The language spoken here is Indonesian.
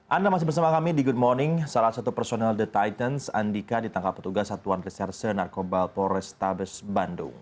anda masih bersama kami di good morning salah satu personel the titance andika ditangkap petugas satuan reserse narkoba polrestabes bandung